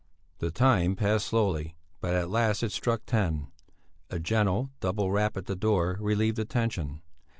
The time passed slowly, but at last it struck ten. A gentle double rap at the door relieved the tension.